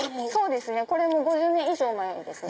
これも５０年以上前のです